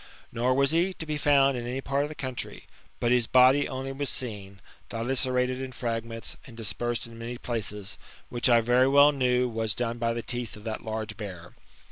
Nor was he to be found in any part of the country ; but his body only was seen, dilacerated in fragments, and dispersed in many places ; which I very well knew was done by the teeth of that [large] bear.